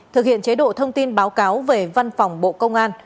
thực hiện chế độ thông tin báo cáo về văn phòng bộ công an